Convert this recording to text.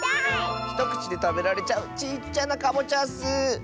ひとくちでたべられちゃうちっちゃなかぼちゃッス！